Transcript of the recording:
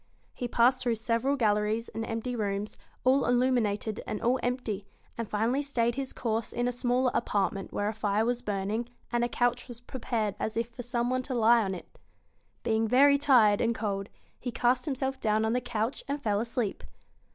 He passed through several BEAUTY galleries and empty rooms all illuminated and all empty and finally stayed his course in a smaller apartment where a fire was burning, and a couch was prepared as if for some one to lie on it. Being very tired and cold, he cast himself down on the couch and fell asleep.